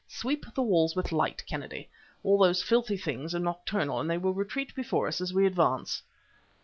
Sweep the walls with light, Kennedy; all those filthy things are nocturnal and they will retreat before us as we advance."